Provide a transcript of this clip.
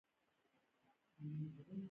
د معاشونو ډیجیټل ورکړه د فساد مخه په کلکه نیسي.